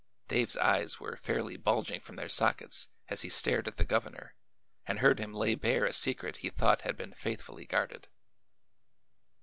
Dave's eyes were fairly bulging from their sockets as he stared at the governor and heard him lay bare a secret he thought had been faithfully guarded.